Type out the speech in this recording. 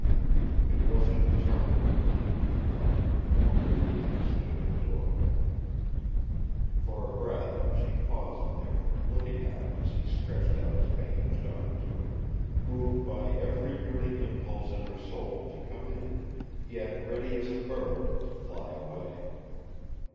It was an interminable time, he thought, before Marie Anne stood in the doorway. For a breath she paused there, looking at him as he stretched out his bandaged arm to her, moved by every yearning impulse in her soul to come in, yet ready as a bird to fly away.